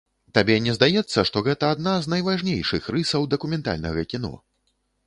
Табе не здаецца, што гэта адна з найважнейшых рысаў дакументальнага кіно?